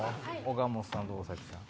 岡本さんと大さん。